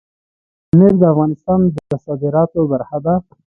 پامیر د افغانستان د صادراتو برخه ده.